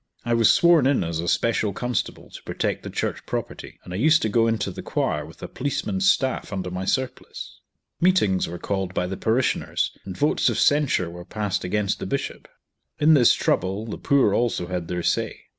I was sworn in as a special constable to protect the church property, and I used to go into the choir with a policeman's staff under my surplice. Meetings were called by the parishioners, and votes of censure were passed against the Bishop. In this trouble the poor also had their say.